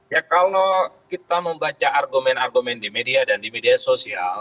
ya kalau kita membaca argumen argumen di media dan di media sosial